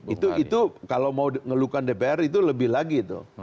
itu kalau mau ngelukan dpr itu lebih lagi